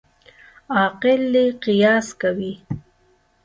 عاقل دي قیاس کوي.